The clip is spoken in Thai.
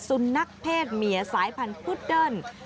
สุนัขเพศเมียสายพันธุ์พุดเดิ้ล